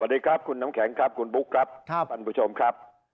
สวัสดีครับคุณน้ำแข็งครับคุณบุ๊คครับท่านผู้ชมครับ